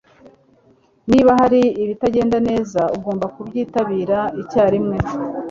Niba hari ibitagenda neza, ugomba kubyitabira icyarimwe.